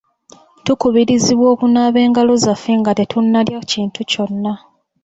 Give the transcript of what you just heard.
Tukubirizibwa okunaaba engalo zaffe nga tetunnalya kintu kyonna.